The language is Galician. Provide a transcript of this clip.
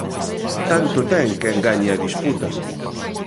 Tanto ten quen gañe a disputa.